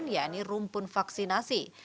yaitu rumpun vaksinasi